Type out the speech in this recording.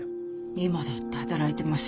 今だって働いてますよ。